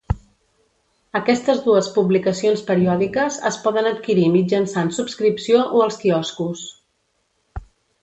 Aquestes dues publicacions periòdiques es poden adquirir mitjançant subscripció o als quioscos.